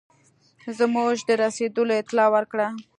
زموږ د رسېدلو اطلاع ورکړه.